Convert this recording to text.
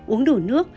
uống đủ nước